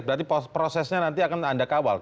berarti prosesnya nanti akan anda kawal